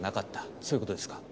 そういう事ですか？